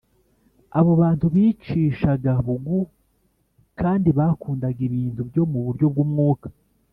Abo bantu bicishaga bugu kandi bakundaga ibintu byo mu buryo bw umwuka